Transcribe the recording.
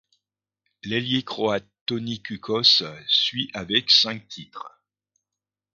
L'ailier croate Toni Kukoč suit avec cinq titres.